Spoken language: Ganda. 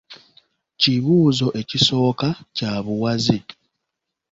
Kibuuzo ekisooka kya buwaze.